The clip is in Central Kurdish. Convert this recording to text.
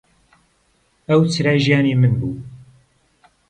ئەو چرای ژیانی من بوو.